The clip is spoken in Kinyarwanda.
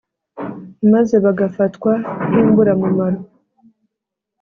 maze bagafatwa nk’« imburamumaro »